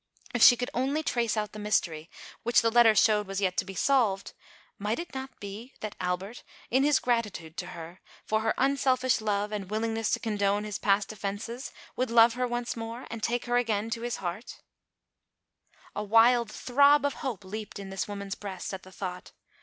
If she could only trace out the mystery, which the letter showed was yet to be solved, might it not be, that Albert, in his gratitude to her, for her unselfish love and willingness to condone his past offences, would love her once more and take her again to his Jieart ? ALICE ; OR, THE WAGES OF SIN. 57 A wild throb of hope leaped in this woman's breast, at the thought.